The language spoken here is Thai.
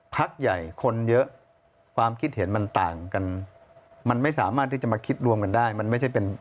พักใหญ่คนเยอะความคิดเห็นมันต่างกันมันไม่สามารถที่จะมาคิดรวมกันได้มันไม่ใช่เป็น